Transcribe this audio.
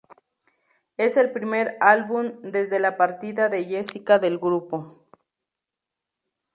Es el primer álbum desde la partida de Jessica del grupo.